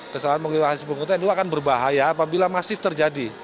kesalahan menghitung hasil penghitungan itu akan berbahaya apabila masif terjadi